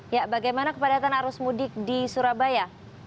ya bagaimana kepadatan arus mudik di surabaya